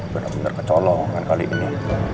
bener bener kecolongan kali ini